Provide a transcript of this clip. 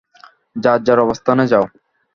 যার যার অবস্থানে যাও!